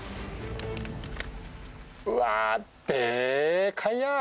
うわー、でかいや！